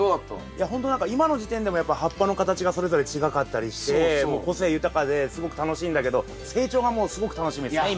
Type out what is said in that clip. いやほんと何か今の時点でもやっぱ葉っぱの形がそれぞれ違かったりして個性豊かですごく楽しいんだけど成長がもうすごく楽しみですね